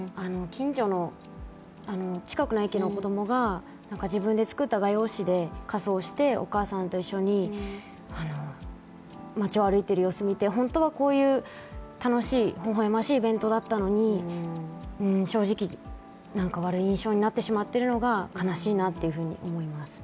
近所の、近くの駅の子供が自分で作った画用紙で仮装してお母さんと一緒に街を歩いている様子を見て本当はこういう、楽しいほほ笑ましいイベントだったのに正直、なんか悪い印象になってしまっているのが悲しいなと思います。